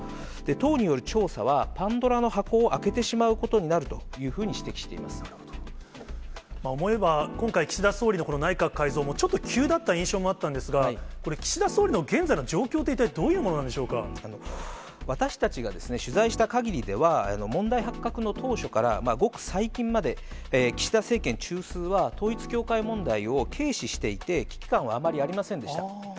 党による調査はパンドラの箱を開けてしまうことになるというふう思えば、今回、岸田総理のこの内閣改造も、ちょっと急だった印象もあったんですが、これ、岸田総理の現在の状況って、私たちが取材したかぎりでは、問題発覚の当初からごく最近まで、岸田政権中枢は、統一教会問題を軽視していて、危機感はあまりありませんでした。